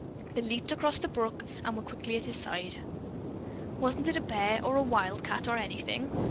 They leaped across the brook and were quickly at his side. "Wasn't it a bear, or a wildcat, or anything?"